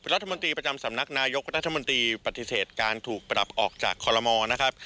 รัฐมนตรีประจำสำนักนายกรัฐมนตรีปฏิเสธการถูกปรับออกจากคอลโมนะครับ